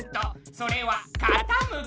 それはかたむき。